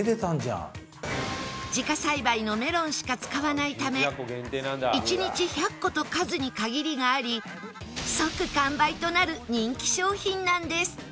自家栽培のメロンしか使わないため１日１００個と数に限りがあり即完売となる人気商品なんです